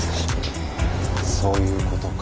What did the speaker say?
そういうことか。